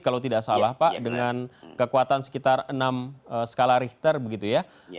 kalau tidak salah pak dengan kekuatan sekitar enam skala richter begitu ya